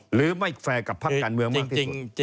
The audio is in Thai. หรือไม่แฟร์กับภักษ์การเมืองมากที่สุด